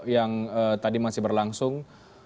yang tadi masih berlangsung